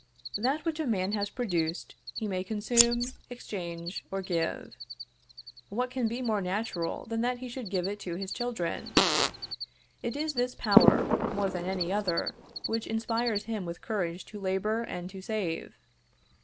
That which a man has produced, he may consume, exchange, or give; what can be more natural than that he should give it to his children? It is this power, more than any other, which inspires him with courage to labor and to save.